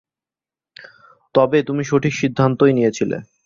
তবে, তুমি সঠিক সিদ্ধান্তই নিয়েছিলে।